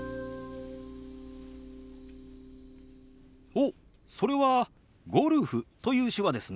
おっそれは「ゴルフ」という手話ですね。